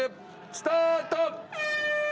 スタート！